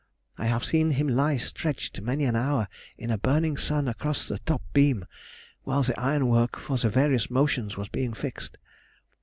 I have seen him lie stretched many an hour in a burning sun, across the top beam whilst the iron work for the various motions was being fixed.